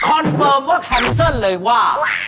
เฟิร์มว่าแคนเซิลเลยว่า